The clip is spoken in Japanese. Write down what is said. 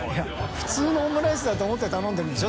普通のオムライスだと思って頼んでるんでしょ？